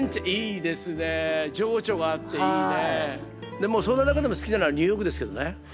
でもその中でも好きなのはニューヨークですけどね。